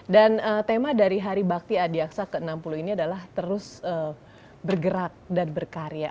dan tema dari hari bakti adiaksian ke enam puluh ini adalah terus bergerak dan berkarya